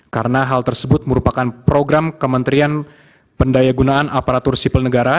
karena hal tersebut merupakan program kementerian pendaya gunaan aparatur sipil negara